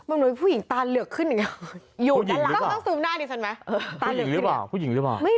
มันเหมือนผู้หญิงตาเหลือกขึ้นอย่างเงี้ย